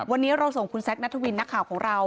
วันนี้เราส่งคุณแซคนัทวินนักข่าวของเรา